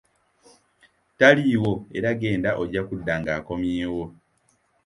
Taliiwo era genda ojja kudda ng'akomyewo